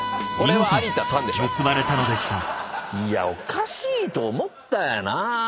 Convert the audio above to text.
いやおかしいと思ったよな。